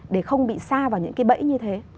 để không bị xa vào những cái bẫy như thế